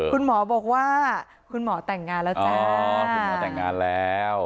คุณหมอบอกว่าคุณหมอแต่งงานแล้วจ้าคุณหมอแต่งงานแล้ว